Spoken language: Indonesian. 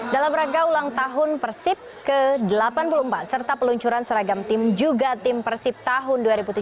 dalam rangka ulang tahun persib ke delapan puluh empat serta peluncuran seragam tim juga tim persib tahun dua ribu tujuh belas